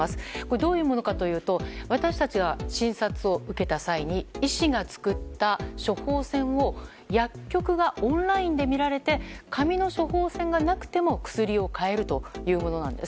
どういうものかというと私たちが診察を受けた際に医師が作った処方箋を薬局がオンラインで見られて紙の処方箋がなくても薬が買えるというものなんです。